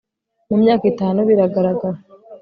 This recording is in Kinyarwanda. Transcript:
mu myaka itanu biragaragara